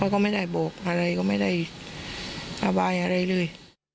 ก็ไม่ได้บอกอะไรก็ไม่ได้ระบายอะไรเลย